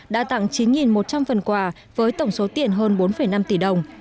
đã tặng chín một trăm linh phần quà với tổng số tiền hơn bốn năm tỷ đồng